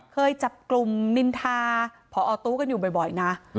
เคยจับกลุ่มนินทาผอตู้กันอยู่บ่อยนะ